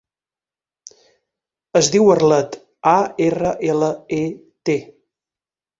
Es diu Arlet: a, erra, ela, e, te.